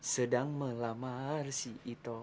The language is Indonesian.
sedang melamar si ito